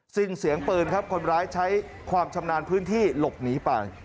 สิ้นเสียงปืนครับคนร้ายใช้ความชำนาญพื้นที่หลบหนีไป